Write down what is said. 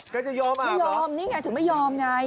จะยอมอ่ะไม่ยอมนี่ไงถึงไม่ยอมไง